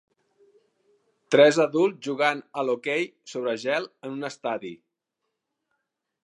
Tres adults jugant a l'hoquei sobre gel en un estadi.